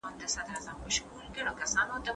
هغې وویل دا د ساینس راتلونکی لوی نوښت دی.